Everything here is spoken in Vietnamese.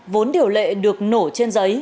vốn điều lệ được nổ trên giấy